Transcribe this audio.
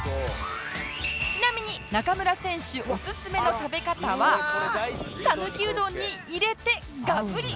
ちなみに中村選手おすすめの食べ方は讃岐うどんに入れてガブリ！